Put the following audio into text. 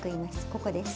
ここです